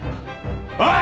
おい！